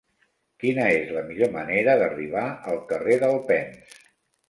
Quina és la millor manera d'arribar al carrer d'Alpens?